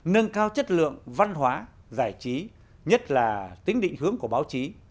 nâng cao chất lượng văn hóa giải trí nhất là tính định hướng của báo chí